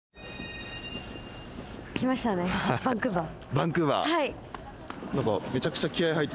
バンクーバー。